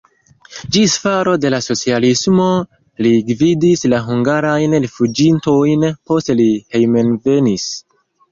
Ĝis falo de la socialismo li gvidis la hungarajn rifuĝintojn, poste li hejmenvenis.